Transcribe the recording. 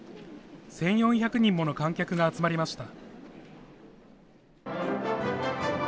１４００人もの観客が集まりました。